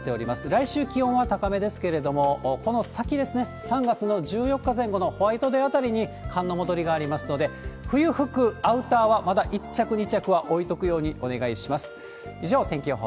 来週、気温は高めですけれども、この先ですね、３月の１４日前後のホワイトデーあたりに、寒の戻りがありますので、冬服、アウターはまだ１着、２着は置いとくようにお願いします。